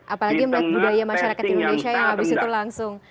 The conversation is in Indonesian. apalagi melihat budaya masyarakat indonesia yang habis itu langsung